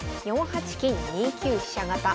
４八金・２九飛車型。